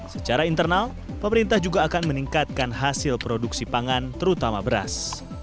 secara internal pemerintah juga akan meningkatkan hasil produksi pangan terutama beras